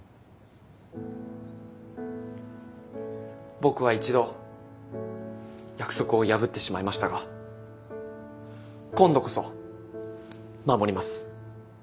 僕は一度約束を破ってしまいましたが今度こそ守ります。